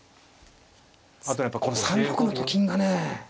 あとこの３六のと金がね